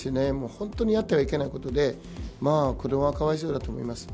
本当にあってはいけないことで子どもはかわいそうだと思います。